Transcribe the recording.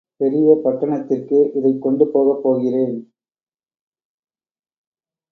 பெரிய பட்டணத்திற்கு இதைக் கொண்டு போகப் போகிறேன்.